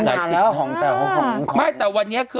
๒ล้านของตอนแรก